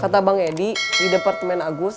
kata bang edi di departemen agus